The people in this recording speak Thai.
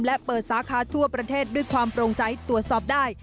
และเปิดสาขาทั่วประเทศด้วยความโปร่งใสตรวจสอบได้